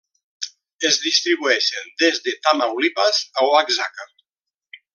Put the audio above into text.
Es distribueix des de Tamaulipas a Oaxaca.